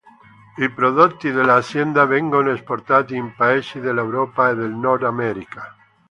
I prodotti dell'azienda vengono esportati in paesi dell'Europa e del Nord America.